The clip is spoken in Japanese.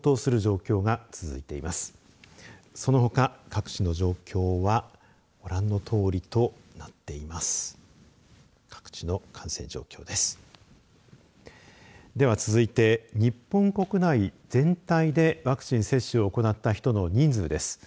では、続いて日本国内全体でワクチン接種を行った人の人数です。